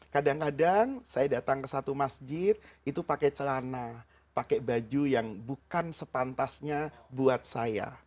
kadang kadang saya datang ke satu masjid itu pakai celana pakai baju yang bukan sepantasnya buat saya